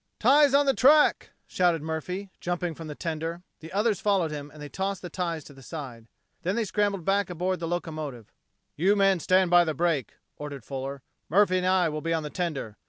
"Ties on the track," shouted Murphy, jumping from the tender. The others followed him and they tossed the ties to the side. Then they scrambled back aboard the locomotive. "You men stand by the brake," ordered Fuller. "Murphy and I will be on the tender.